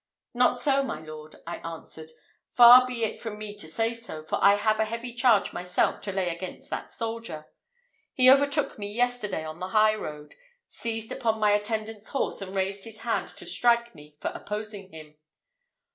"Not so, my Lord," I answered; "far be it from me to say so, for I have a heavy charge myself to lay against that soldier. He overtook me yesterday on the high road, seized upon my attendant's horse, and raised his hand to strike me for opposing him."